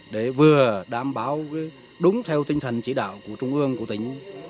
để vừa đảm bảo đúng theo tinh thần chỉ đạo của trung ương của tỉnh